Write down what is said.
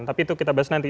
tapi itu kita bahas nanti